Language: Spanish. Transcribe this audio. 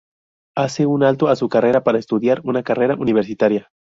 Hace un alto a su carrera para estudiar una carrera universitaria.